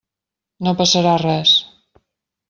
No passarà res.